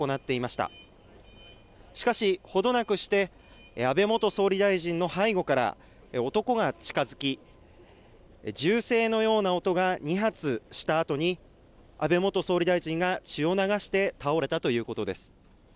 しかし、ほどなくして安倍元総理大臣の背後から男が近づき銃声のような音が２発したあとに安倍元総理大臣が血を流して倒れたということです。